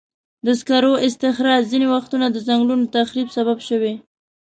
د سکرو استخراج ځینې وختونه د ځنګلونو تخریب سبب شوی.